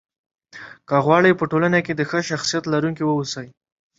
که غواړئ! په ټولنه کې د ښه شخصيت لرونکي واوسی